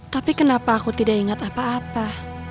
tapi kenapa aku tidak ingat apa apa